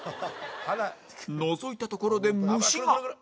のぞいたところで虫が！